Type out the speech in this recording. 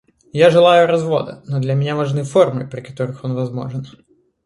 Я желаю развода, но для меня важны формы, при которых он возможен.